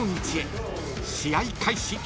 ［試合開始］